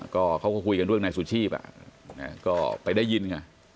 ก็เขาก็คุยกันเรื่องในสุชีพอ่ะก็ไปได้ยินค่ะ